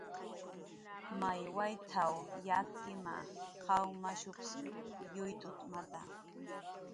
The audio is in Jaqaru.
"May wayt""w yakkima, qaw mashups yuyt'utmata"